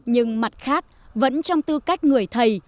nhưng mặt khác vẫn trong tư cách người thầy